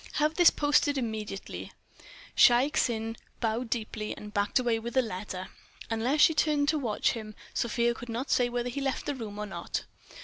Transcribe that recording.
"Have this posted immediately." Shaik Tsin bowed deeply, and backed away with the letter. Unless she turned to watch him, Sofia could not say whether he left the room or not.